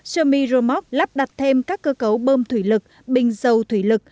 semi remote lắp đặt thêm các cơ cấu bơm thủy lực bình dầu thủy lực